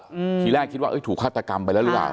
คือแรกคิดว่าถูกฆาตกรรมไปละแล้วค่ะ